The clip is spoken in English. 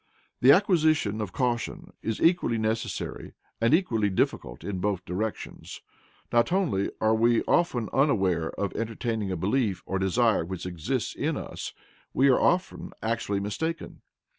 The acquisition of caution is equally necessary and equally difficult in both directions. Not only are we often un aware of entertaining a belief or desire which exists in us; we are often actually mistaken.